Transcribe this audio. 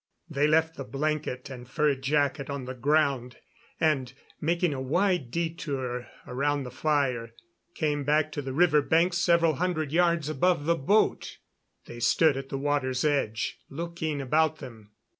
They left the blanket and fur jacket on the ground, and, making a wide detour around the fire, came back to the river bank several hundred yards above the boat. They stood at the water's edge, looking about them.